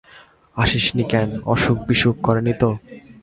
আসিস নি কেন, অসুখবিসুখ করে নি তো?